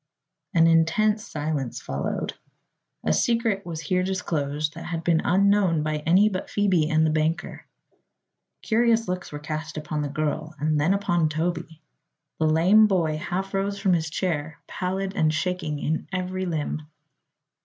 '" An intense silence followed. A secret was here disclosed that had been unknown by any but Phoebe and the banker. Curious looks were cast upon the girl and then upon Toby. The lame boy half rose from his chair, pallid and shaking in every limb.